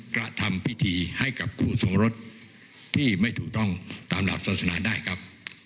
กระทำพิธีให้กับคู่ทรงรสที่ไม่ถูกต้องตามหลักศาสนาได้ครับ